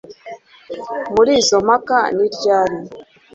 muri izo mpaka ni ryari